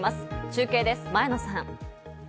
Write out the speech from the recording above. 中継です、前野さん。